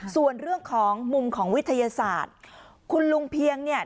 ส่วนเรื่องของมุมของวิทยาศาสตร์คุณลุงเพียงเนี่ย